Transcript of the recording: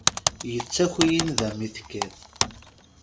Yettaki i nnda mi tekkat.